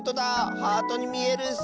ハートにみえるッス！